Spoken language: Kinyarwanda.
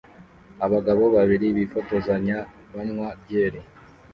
Abagabo babiri bifotozanya banywa byeri